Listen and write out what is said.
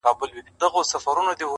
د جمعې په شپه ماپښين رهي سوو.